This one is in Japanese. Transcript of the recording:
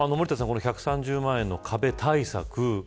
この１３０万円の壁対策